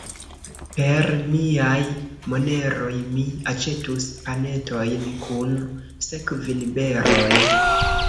Per miaj moneroj mi aĉetus panetojn kun sekvinberoj.